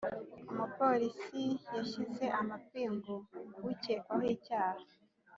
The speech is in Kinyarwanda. umupolisi yashyize amapingu ku ukekwaho icyaha.